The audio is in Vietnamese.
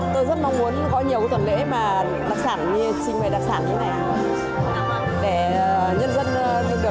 tôi rất mong muốn có nhiều tuần lễ mà đặc sản như trình bày đặc sản như thế này để nhân dân được